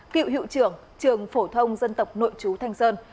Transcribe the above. cựu hữu trưởng trường phổ thông dân tộc nội trú thanh sơn